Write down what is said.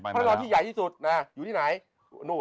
พระนอนที่ใหญ่ที่สุดนะอยู่ที่ไหน